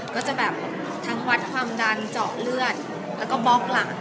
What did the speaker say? ก็จะแบบทั้งวัดความดันเจาะเลือดแล้วก็บล็อกหลัง